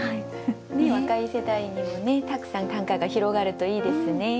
若い世代にもねたくさん短歌が広がるといいですね。